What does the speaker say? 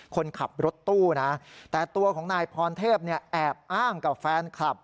คนขับรถตู้นะแต่ตัวของนายพรเทพแอบอ้างกับแฟนคลับ